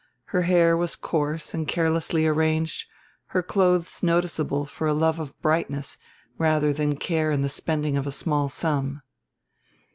Her hair was coarse and carelessly arranged, her clothes noticeable for a love of brightness rather than care in the spending of a small sum.